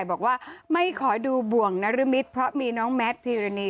บอกว่าไม่ขอดูบ่วงนรมิตรเพราะมีน้องแมทพีรณี